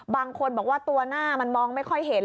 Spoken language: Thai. บางคนบอกว่าตัวหน้ามันมองไม่ค่อยเห็น